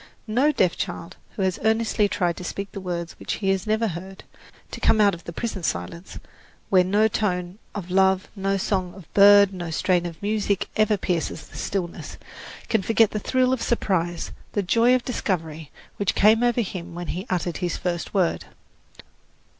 No deaf child who has earnestly tried to speak the words which he has never heard to come out of the prison of silence, where no tone of love, no song of bird, no strain of music ever pierces the stillness can forget the thrill of surprise, the joy of discovery which came over him when he uttered his first word.